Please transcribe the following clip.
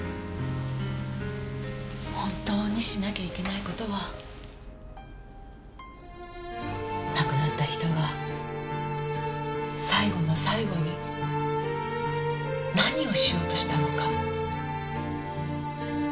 本当にしなきゃいけない事は亡くなった人が最後の最後に何をしようとしたのか。